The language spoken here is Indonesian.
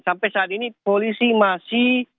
sampai saat ini polisi masih